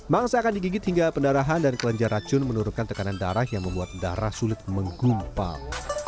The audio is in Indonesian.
mangsa akan digigit hingga pendarahan dan kelenjar racun menurunkan tekanan darah yang membuat darah sulit menggumpal